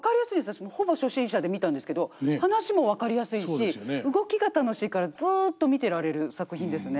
私ほぼ初心者で見たんですけど話も分かりやすいし動きが楽しいからずっと見てられる作品ですね。